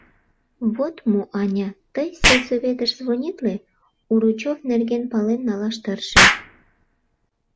Вот мо, Аня, тый сельсоветыш звонитле, Уручев нерген пален налаш тырше.